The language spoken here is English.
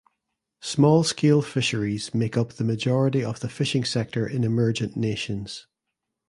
Small scale fisheries make up the majority of the fishing sector in emergent nations.